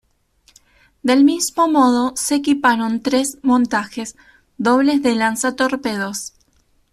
Del mismo modo se equiparon tres montajes dobles lanzatorpedos.